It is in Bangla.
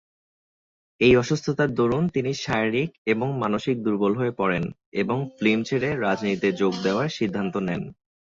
এই অসুস্থতার দরুন তিনি শারীরিক এবং মানসিকভাবে দুর্বল হয়ে পড়েন এবং ফিল্ম ছেড়ে রাজনীতিতে যোগ দেওয়ার সিদ্ধান্ত নেন।